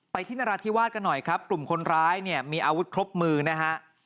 ที่นราธิวาสกันหน่อยครับกลุ่มคนร้ายเนี่ยมีอาวุธครบมือนะฮะ